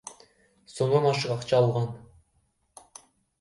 сомдон ашык акча алган.